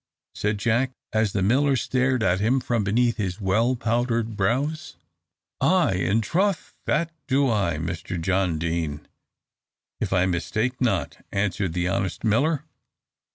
said Jack, as the miller stared at him from beneath his well powdered brows. "Ay, in troth, that do I! Mr John Deane, if I mistake not," answered the honest miller.